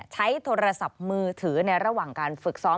ใช้โทรศัพท์มือถือในระหว่างการฝึกซ้อม